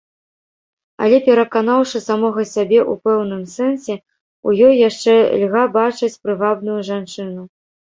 Але пераканаўшы самога сябе ў пэўным сэнсе, у ёй яшчэ льга бачыць прывабную жанчыну.